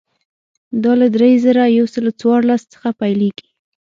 دا له درې زره یو سل څوارلس څخه پیلېږي.